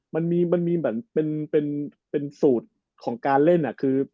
มันมีเป็นสูตรของการเล่น